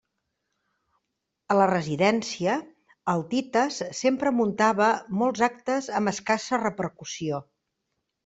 A la residència, el Tites sempre muntava molts actes amb escassa repercussió.